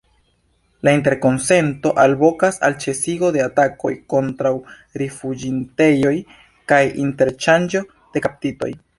La interkonsento alvokas al ĉesigo de atakoj kontraŭ rifuĝintejoj kaj interŝanĝo de kaptitoj.